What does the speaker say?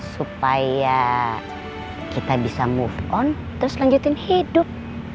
supaya kita bisa move on terus melanjutkan hidup